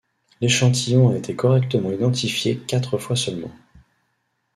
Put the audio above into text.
L'échantillon a été correctement identifié quatre fois seulement.